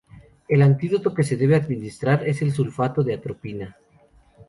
El antídoto que se debe administrar es el sulfato de atropina.